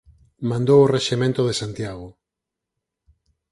Mandou o rexemento de Santiago.